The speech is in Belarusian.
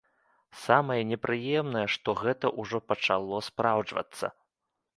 Самае непрыемнае, што гэта ўжо пачало спраўджвацца.